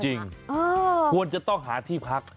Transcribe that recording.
ควรจะต้องหาที่พัก